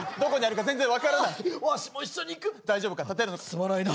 すまないな。